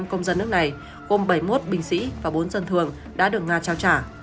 bảy mươi năm công dân nước này gồm bảy mươi một bệnh sĩ và bốn dân thường đã được nga trao trả